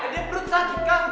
eh dia perut sakit kan